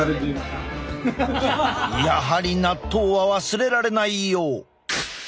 やはり納豆は忘れられないよう。